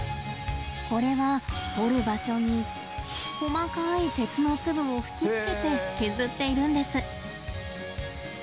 これは彫る場所に細かい鉄の粒を吹きつけて削っているんです。